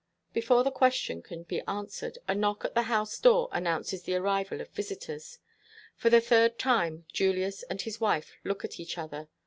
Before the question can be answered, a knock at the house door announces the arrival of visitors. For the third time, Julius and his wife look at each other.